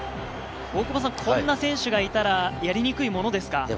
こんな選手がいたら、やりにくいものですか？